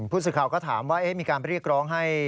ผู้สื่อข่าวก็ถามว่ามีการเรียกร้องให้